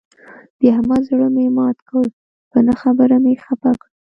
د احمد زړه مې مات کړ، په نه خبره مې خپه کړ.